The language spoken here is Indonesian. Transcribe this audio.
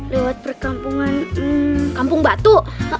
lewat perkampungan kampung batu